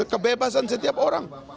kebebasan setiap orang